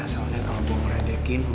soalnya kalau gue ngeredekin